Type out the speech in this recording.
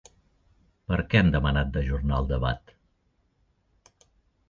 Per què han demanat d'ajornar el debat?